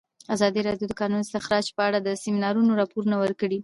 ازادي راډیو د د کانونو استخراج په اړه د سیمینارونو راپورونه ورکړي.